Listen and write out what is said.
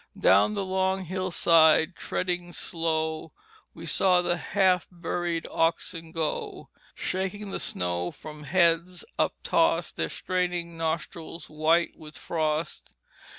Down the long hillside treading slow We saw the half buried oxen go, Shaking the snow from heads uptost, Their straining nostrils white with frost.